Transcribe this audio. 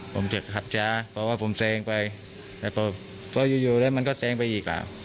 ผมจะขับช้าเพราะว่าผมแซงไปแล้วก็พออยู่แล้วมันก็แซงไปอีกอ่ะ